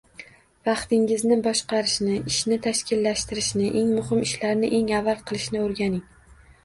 Vaqtingizni boshqarishni, ishni tashkillashtirishni, eng muhim ishlarni eng avval qilishni oʻrganing.